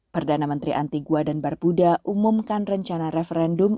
perdana menteri antigua dan barbuda umumkan rencana referendum